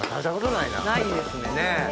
ないですね。ねぇ。